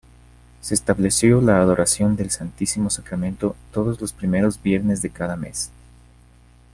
Se estableció la adoración del Santísimo Sacramento todos los primeros viernes de cada mes.